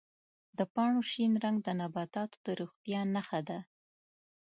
د پاڼو شین رنګ د نباتاتو د روغتیا نښه ده.